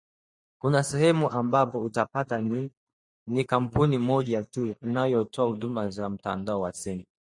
Kuna sehemu ambapo utapata ni kampuni moja tu inayotoa huduma za mtandao wa simu.